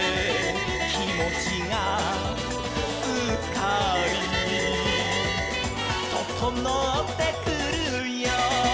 「きもちがすっかり」「ととのってくるよ」